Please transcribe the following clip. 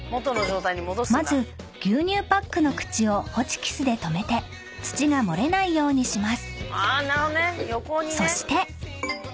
［まず牛乳パックの口をホチキスで留めて土が漏れないようにします］